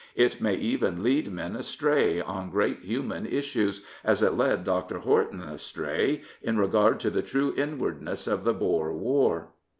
It may even lead men astray on great human issues, as it led Dr. Horton astray in regard to the true inwardness of the Boer war.